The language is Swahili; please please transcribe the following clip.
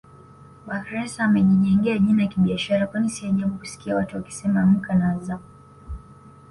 Bakhresa amejijengea jina kibiashara kwani si ajabu kusikia watu wakisema Amka na Azam